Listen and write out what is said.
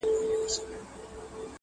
ماشوم وم چي بوډا کیسه په اوښکو لمبوله.!